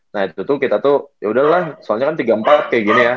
nah itu tuh kita tuh yaudah lah soalnya kan tiga puluh empat kayak gini ya